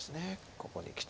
ここにきて。